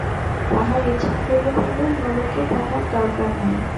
তাহার ইচ্ছা হইল, বলে, নোলকে তাহার দরকার নাই।